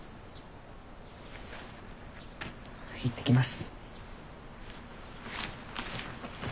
行ってきます。